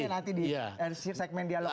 kita jawabnya nanti di segmen dialog